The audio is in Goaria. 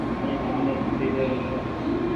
مين تمني ڇوٽي ڏيرو ڇو۔